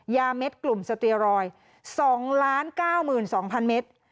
เม็ดกลุ่มสเตียรอยด์๒๙๒๐๐เมตร